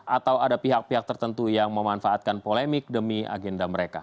atau ada pihak pihak tertentu yang memanfaatkan polemik demi agenda mereka